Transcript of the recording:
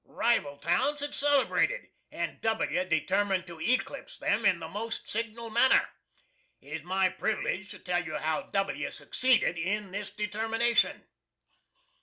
Rival towns had celebrated, and W determined to eclipse them in the most signal manner. It is my privilege to tell how W succeeded in this determination.